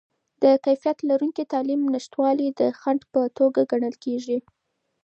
د کیفیت لرونکې تعلیم نشتوالی د خنډ په توګه ګڼل کیږي.